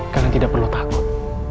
kalian tidak perlu takut